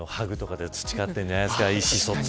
やっぱりハグとかで培っているんじゃないですか。